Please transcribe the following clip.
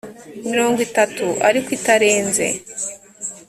mirongo itatu ariko itarenze